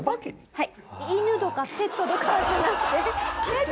はい。